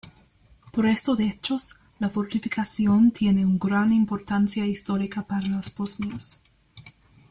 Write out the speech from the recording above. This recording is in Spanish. Por estos hechos, la fortificación tiene una gran importancia histórica para los bosnios.